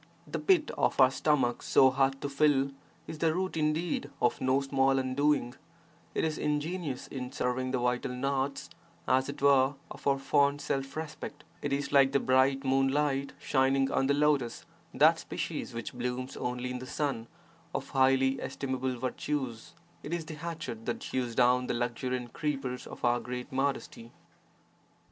The pit of our stomach so hard to fill is the root indeed of no small undoing: it is ingenious in severing the vital knots, as it were, of our fond self respect; it is like the bright moonlight shining on the lotus (that species which blooms only in the sun) of highly estimable virtues; it is the hatchet that hews down the luxuriant creepers of our great modesty.